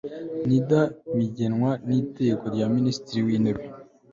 nida bigenwa n iteka rya minisitiri w intebe